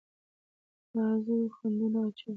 استازو خنډونه اچول.